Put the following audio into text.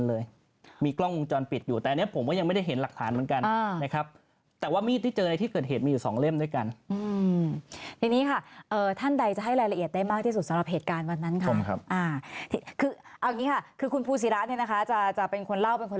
เลยมีกล้องวงจรปิดอยู่แต่อันนี้ผมก็ยังไม่ได้เห็นหลักฐานเหมือนกันนะครับแต่ว่ามีดที่เจอในที่เกิดเหตุมีอยู่สองเล่มด้วยกันทีนี้ค่ะท่านใดจะให้รายละเอียดได้มากที่สุดสำหรับเหตุการณ์วันนั้นค่ะคือเอาอย่างนี้ค่ะคือคุณภูศิระเนี่ยนะคะจะจะเป็นคนเล่าเป็นคน